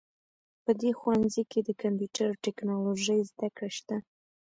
په دې ښوونځي کې د کمپیوټر او ټکنالوژۍ زده کړه شته